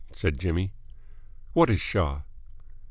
said Jimmy. "What is Shaw?"